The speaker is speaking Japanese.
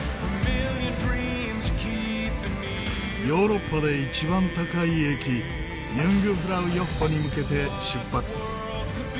ヨーロッパで一番高い駅ユングフラウヨッホに向けて出発。